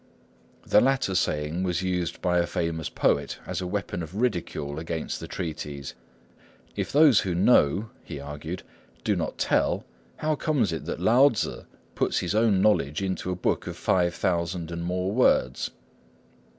The latter saying was used by a famous poet as a weapon of ridicule against the treatise. "If those who know," he argued, "do not tell, how comes it that Lao Tzŭ put his own knowledge into a book of five thousand and more words?"